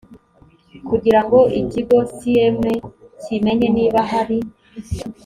kugira ngo ikigo cma kimenye niba hari